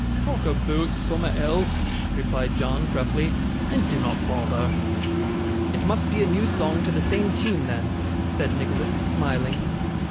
'Talk aboot soom'at else,' replied John, gruffly, 'and dinnot bother.' 'It must be a new song to the same tune then,' said Nicholas, smiling.